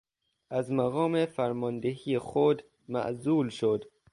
از مقام فرماندهی خود معزول شد.